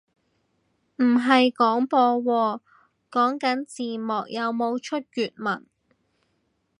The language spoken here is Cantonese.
唔係廣播喎，講緊字幕有冇出粵文